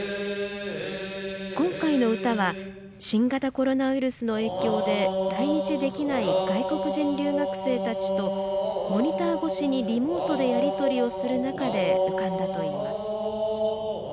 今回の歌は新型コロナウイルスの影響で来日できない外国人留学生たちとモニター越しにリモートでやり取りをする中で浮かんだといいます。